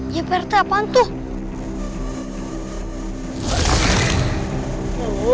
ya berarti apaan tuh